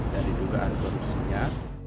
dari dugaan korupsinya